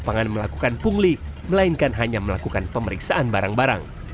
lapangan melakukan pungli melainkan hanya melakukan pemeriksaan barang barang